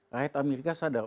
rakyat amerika sadar